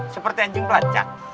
seperti anjing pelancar